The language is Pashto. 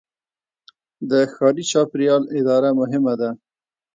د ښاري چاپیریال اداره مهمه ده.